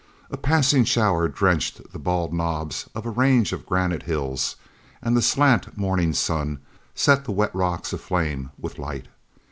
A passing shower drenched the bald knobs of a range of granite hills and the slant morning sun set the wet rocks aflame with light.